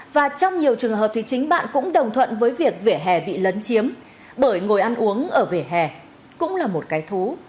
và trong nhiều trường hợp thì chính bạn cũng đồng thuận với việc vỉa hè bị lấn chiếm bởi ngồi ăn uống ở vỉa hè cũng là một cái thú